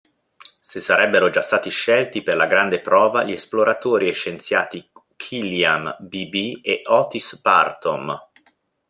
Se sarebbero già stati scelti per la grande prova gli esploratori e scienziati Killiam Beebe ed Otis Bartom.